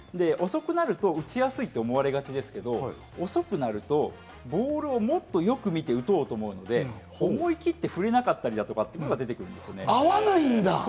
遅くなると打ちやすいと思われがちですけど、遅くなるとボールをもっとよく見て打とうと思って、思い切って振れなかったりということが出てくるんです。